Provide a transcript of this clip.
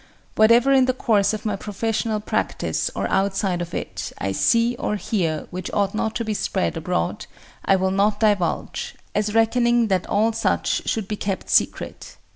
Whatever in the course of my professional practice, or outside of it, I see or hear which ought not to be spread abroad, I will not divulge, as reckoning that all such should be kept secret.